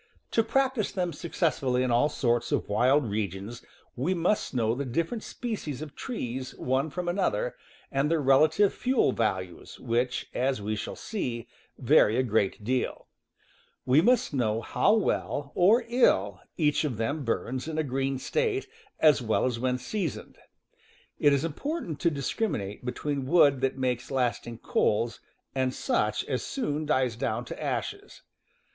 To prac tice them successfully in all sorts of wild regions we . must know the different species of trees _,. one from another, and their relative fuel values, which, as we shall see, vary a great deal. We must know how well, or ill, each of them burns in a green state, as well as when seasoned. It is important to discriminate between wood that makes lasting coals and such as soon dies down to ashes.